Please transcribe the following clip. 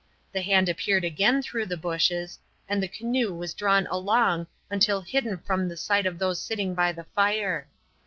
The hand appeared again through the bushes, and the canoe was drawn along until hidden from the sight of those sitting by the fire.